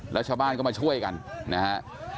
แล้วชาวบ้านก็มาช่วยกันนะฮะ